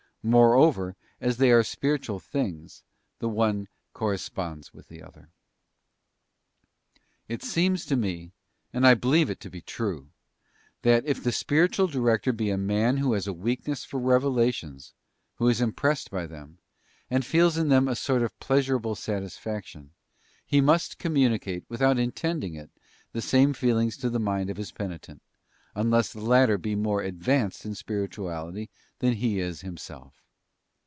Moreover, as they are spiritual things, the one cor responds with the other. It seems to me—and I believe it to. be true—that, if the spiritual director be a man who has a weakness for revela tions, who is impressed by them, and feels in them a sort of pleasurable satisfaction, he must communicate, without in tending it, the same feelings to the mind of his penitent, unless the latter be more advanced in 'spirituality than he is himself.